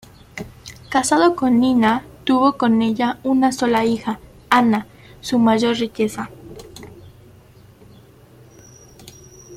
Casado con Nina, tuvo con ella una sola hija, Ana, su mayor riqueza.